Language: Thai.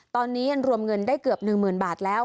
ตอนนี้รวมเงินได้เกือบหนึ่งหมื่นบาทแล้ว